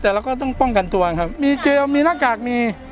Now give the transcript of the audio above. แต่เราก็ต้องป้องกันตัวอย่างงี้ครับมีเจียวมีหน้ากากมี